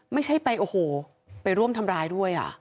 ไม่ใช่ไปโอ้โหไปร่วมทำร้ายด้วยอ่ะ